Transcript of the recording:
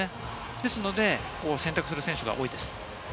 ですので選択する選手が多いです。